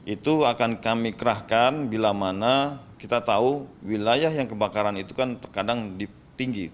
itu akan kami kerahkan bila mana kita tahu wilayah yang kebakaran itu kan terkadang tinggi